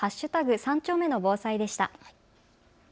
３丁目の防災でした。